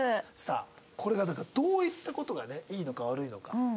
さあこれがだからどういった事がねいいのか悪いのか。